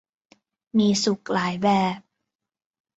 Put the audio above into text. มีสุขหลายแบบ